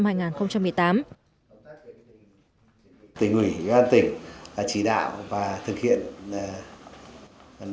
tỉnh hủy tỉnh chỉ đạo và thực hiện